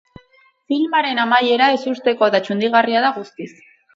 Filmaren amaiera ezustekoa eta txundigarria da guztiz.